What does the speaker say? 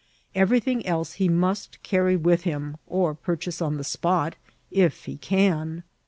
Everything else he must carry with him, or purchase on the spot — ^if he can.